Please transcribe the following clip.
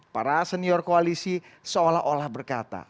para senior koalisi seolah olah berkata